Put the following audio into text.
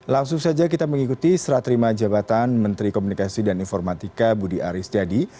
langsung saja kita mengikuti serat terima jabatan menteri komunikasi dan informatika budi aris yadi